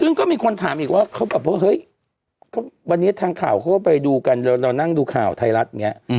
ซึ่งก็มีคนถามอีกว่าเขาแบบว่าเฮ้ยวันนี้ทางข่าวเขาก็ไปดูกันเรานั่งดูข่าวไทยรัฐอย่างนี้